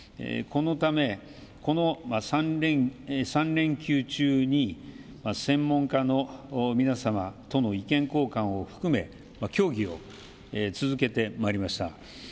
このため、この３連休中に専門家の皆様との意見交換を含め協議を続けてまいりました。